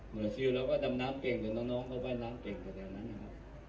หมอนชิลแล้วก็ดำน้ำเก่งแต่น้องน้องก็ว่ายน้ำเก่งแบบนั้นนะครับ